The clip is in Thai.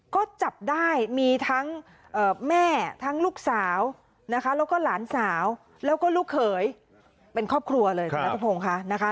ก็จับได้มีทั้งแม่ทั้งลูกสาวนะคะแล้วก็หลานสาวแล้วก็ลูกเขยเป็นครอบครัวเลยคุณนัทพงศ์ค่ะนะคะ